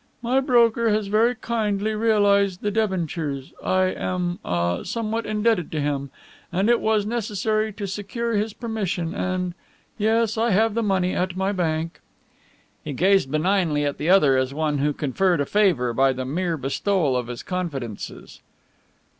"My broker has very kindly realized the debentures I am ah somewhat indebted to him, and it was necessary to secure his permission and yes, I have the money at my bank." He gazed benignly at the other, as one who conferred a favour by the mere bestowal of his confidences.